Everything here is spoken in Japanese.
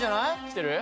・きてる？